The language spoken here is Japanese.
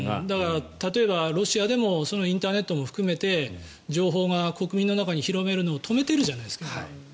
だから例えば、ロシアでもインターネットも含めて情報が国民の中に広がるのを止めてるじゃないですか。